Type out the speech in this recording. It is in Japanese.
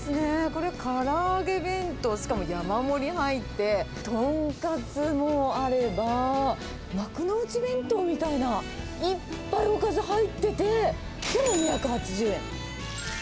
これ、から揚げ弁当、しかも山盛り入って、豚カツもあれば、幕内弁当みたいな、いっぱいおかず入ってて、でも２８０円。